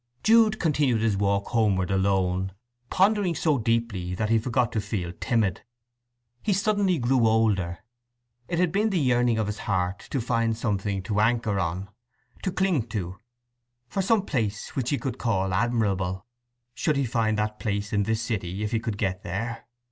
Jude continued his walk homeward alone, pondering so deeply that he forgot to feel timid. He suddenly grew older. It had been the yearning of his heart to find something to anchor on, to cling to—for some place which he could call admirable. Should he find that place in this city if he could get there?